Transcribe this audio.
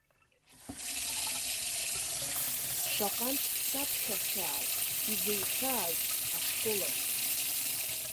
Шаҟантә саԥхьахьааз, изыҩхьааз ашколаҿ…